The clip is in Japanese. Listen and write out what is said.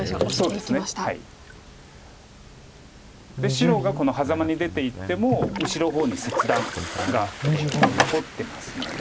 白がこのハザマに出ていっても後ろの方に切断が残ってますので。